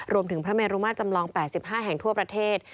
รวมถึงพระเมรุมาตรจำลอง๘๕แห่งทั่วประเทศ